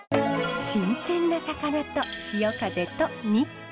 新鮮な魚と潮風と日光。